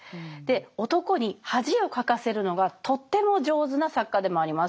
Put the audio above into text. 男に恥をかかせるのがとても上手な作家でもあります。